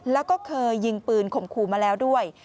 แล้วก็เคยยิงปืนข่มขู่มาแล้วด้วย